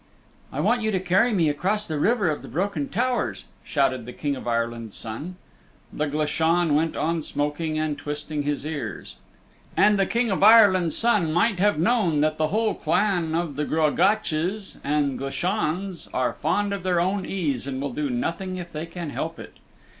"I want you to carry me across the River of the Broken Towers," shouted the King of Ireland's Son. The Glashan went on smoking and twisting his ears. And the King of Ireland's Son might have known that the whole clan of the Gruagachs and Glashans are fond of their own ease and will do nothing if they can help it.